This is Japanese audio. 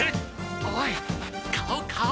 おい顔顔！